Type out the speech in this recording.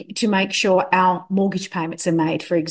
untuk memastikan uang uang pembayaran kita dibuat